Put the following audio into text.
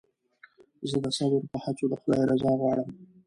زه د صبر په هڅو د خدای رضا غواړم.